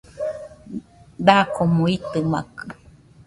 Dakomo itɨmakɨ